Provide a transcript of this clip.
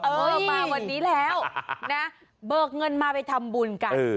เออมาวันนี้แล้วนะเบิกเงินมาไปทำบุญกัน